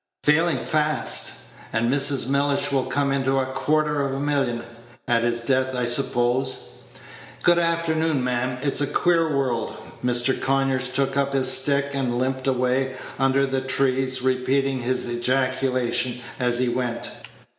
"Failing fast. And Mrs. Mellish will come into a quarter of a million, at his death, I suppose. Good afternoon, ma'am. It's a queer world." Mr. Conyers took up his stick, and limped away under the trees, repeating this ejaculation as he went.